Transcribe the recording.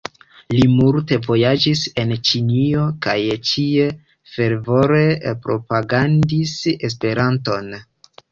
Li multe vojaĝis en Ĉinio kaj ĉie fervore propagandis Esperanton.